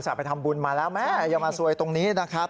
ไปทำบุญมาแล้วแม่อย่ามาซวยตรงนี้นะครับ